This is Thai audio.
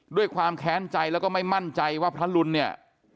ด้วยความแค้นใจแล้วก็ไม่มั่นใจว่าพระรุนเนี่ย